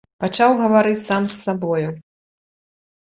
Пачаў гаварыць сам з сабою.